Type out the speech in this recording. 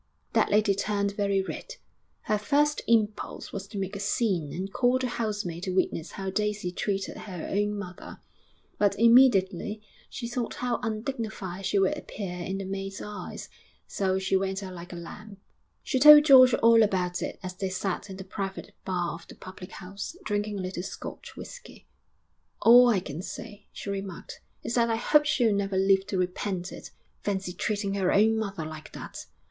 That lady turned very red. Her first impulse was to make a scene and call the housemaid to witness how Daisy treated her own mother; but immediately she thought how undignified she would appear in the maid's eyes. So she went out like a lamb.... She told George all about it as they sat in the private bar of the public house, drinking a little Scotch whisky. 'All I can say,' she remarked, 'is that I hope she'll never live to repent it. Fancy treating her own mother like that!